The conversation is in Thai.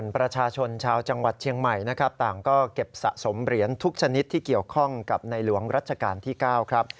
ประชาชนชาวจังหวัดเชียงใหม่นะครับต่างก็เก็บสะสมเหรียญทุกชนิดที่เกี่ยวข้องกับในหลวงรัชกาลที่๙ครับ